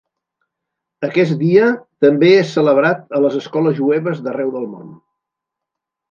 Aquest dia també és celebrat a les escoles jueves d'arreu del món.